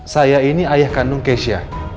saya ini ayah kandung keisha